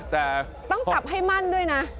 แต่ต้องกลับให้มั่นด้วยนะ